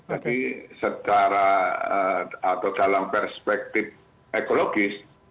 jadi secara atau dalam perspektif ekologis